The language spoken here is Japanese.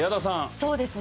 そうですね